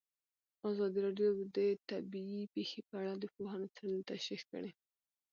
ازادي راډیو د طبیعي پېښې په اړه د پوهانو څېړنې تشریح کړې.